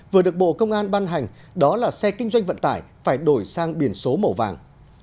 vừa được bộ công an ban hành đó là xe kinh doanh vận tải phải đổi sang biển số màu vàng